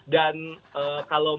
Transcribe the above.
dan kalau mau melihat lebih dunia